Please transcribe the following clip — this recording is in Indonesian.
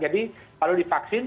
jadi kalau divaksin